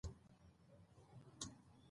پښتنو سره ياد ګاري عکسونه واخلئ